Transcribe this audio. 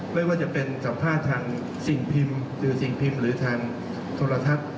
ไม่ว่าจะเป็นสัมภาษณ์ทางสิ่งพิมพ์หรือสิ่งพิมพ์หรือทางโทรทัศน์